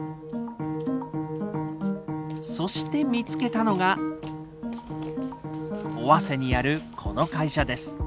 そして見つけたのが尾鷲にあるこの会社です。